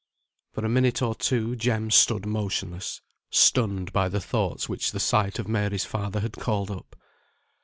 For a minute or two Jem stood motionless, stunned by the thoughts which the sight of Mary's father had called up.